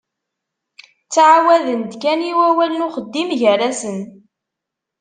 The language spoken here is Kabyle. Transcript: Ttɛawaden-d kan i wawal n uxeddim gar-asen.